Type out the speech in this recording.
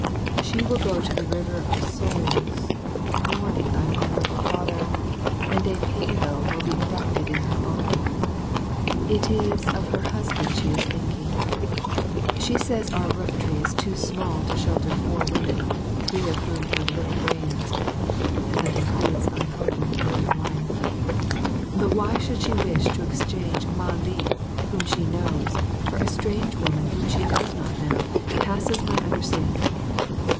She will go to the River or Souls mourning thine Honourable Father, and a pailo will be erected in her honour. It is or her household she is thinking. She says our rooftree is too small to shelter four women, three or whom have little brains and that includes thy humble, loving wire but why she should wish to exchange Mah li, whom she knows, for a strange woman whom she does not know, passes my understanding.